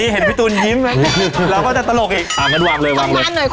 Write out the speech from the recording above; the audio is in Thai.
เห็นพี่ตูนยิ้มเราก็จะตลกอีก